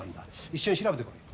一緒に調べてこい。